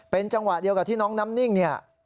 เป็นจังหวะเดียวกับที่น้องน้ำนิ่งเนี่ย